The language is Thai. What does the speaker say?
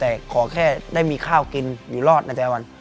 แต่ขอแค่ได้มีข้าวกินอยู่รอดในแต่ละวัน